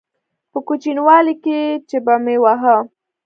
په کوچنيوالي کښې چې به مې واهه.